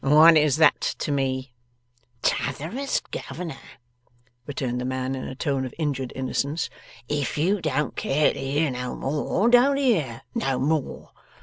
'What is that to me?' 'T'otherest Governor,' returned the man in a tone of injured innocence, 'if you don't care to hear no more, don't hear no more.